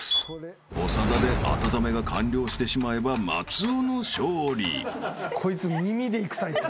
［長田で温めが完了してしまえば松尾の勝利］